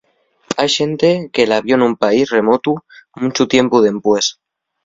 Hai xente que la vio nun país remotu, munchu tiempu dempués.